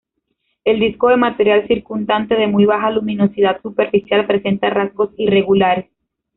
El disco de material circundante, de muy baja luminosidad superficial, presenta rasgos irregulares.